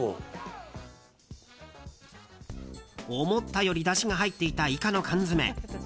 思ったよりだしが入っていたイカの缶詰。